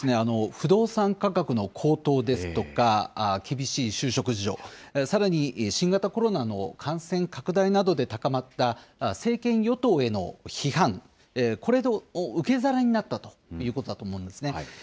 不動産価格の高騰ですとか、厳しい就職事情、さらに新型コロナの感染拡大などで高まった政権与党への批判、これの受け皿になったということだと思うんですね。